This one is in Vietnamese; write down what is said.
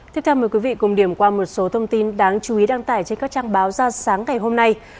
tiếp theo mời quý vị cùng điểm qua một số thông tin đáng chú ý đăng tải trên các trang báo ra sáng ngày hôm nay